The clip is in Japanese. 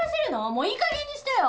もういい加減にしてよ！